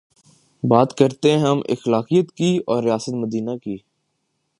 بات کرتے ہیں ہم اخلاقیات کی اورریاست مدینہ کی